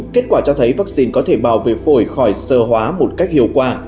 kết quả cho thấy vaccine có thể bảo vệ phổi khỏi sơ hóa một cách hiệu quả